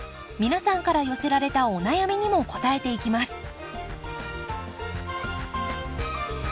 皆さんから寄せられたお悩みにも答えていきます。